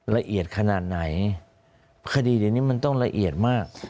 ละเอียดขนาดไหนคดีเดี๋ยวนี้มันต้องละเอียดมาก